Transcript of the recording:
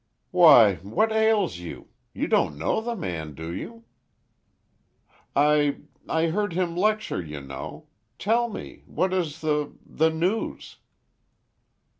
"Why, what ails you? You don't know the man, do you?" "I—I heard him lecture, you know. Tell me—what is the—the news?"